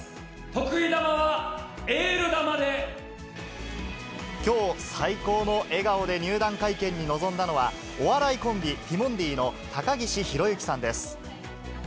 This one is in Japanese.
得意球は、きょう、最高の笑顔で入団会見に臨んだのは、お笑いコンビ、ティモンディの高岸宏行さんです。